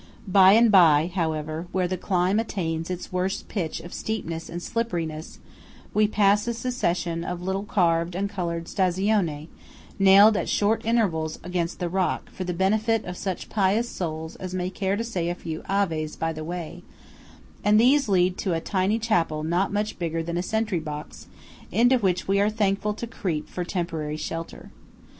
By and by, however, where the climb attains its worst pitch of steepness and slipperiness, we pass a succession of little carved and coloured "Stazione" nailed at short intervals against the rock, for the benefit of such pious souls as may care to say a few Aves by the way; and these lead to a tiny chapel not much bigger than a sentry box, into which we are thankful to creep for temporary shelter.